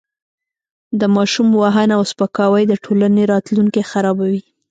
د ماشوم وهنه او سپکاوی د ټولنې راتلونکی خرابوي.